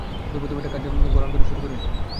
কিন্তু প্রথমে এই কাজটা বরানগরে শুরু করে যাও।